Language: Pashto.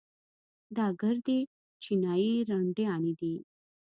دا ګردې چينايي رنډيانې دي.